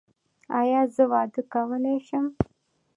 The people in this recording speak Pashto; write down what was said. ایا زه واده کولی شم؟